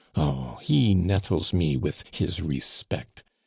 Oh, he nettles me with his respect.